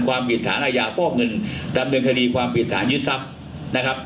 ความผิดฐานอาญาฟอกเงินดำเนินคดีความผิดฐานยึดทรัพย์นะครับ